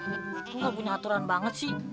lo nggak punya aturan banget sih